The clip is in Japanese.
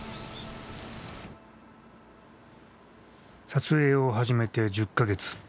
撮影を始めて１０か月。